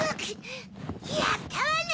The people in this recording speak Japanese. やったわね！